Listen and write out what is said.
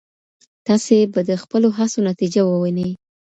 تاسي به د خپلو هڅو نتيجه ووينئ.